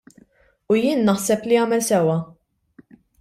U jien naħseb li għamel sewwa.